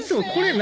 何？